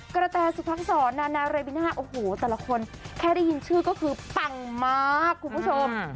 กระแตสุพักษรนานาเรบิน่าโอ้โหแต่ละคนแค่ได้ยินชื่อก็คือปังมากคุณผู้ชม